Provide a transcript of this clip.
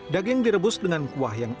daging direbus dengan kuah yang